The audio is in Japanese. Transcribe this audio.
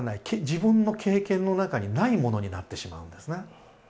自分の経験の中にないものになってしまうんですね。